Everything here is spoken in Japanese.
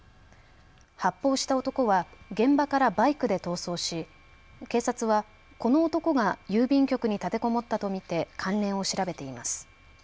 発砲した男は現場からバイクで逃走し警察はこの男が郵便局に立てこもったと見て関連を調べています。